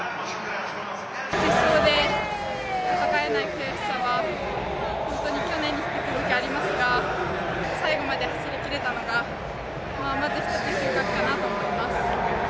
決勝で戦えない悔しさは本当に去年に引き続きありますが最後まで走り切れたのがまず一つよかったなと思います。